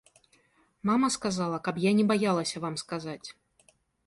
Мама сказала, каб я не баялася вам сказаць.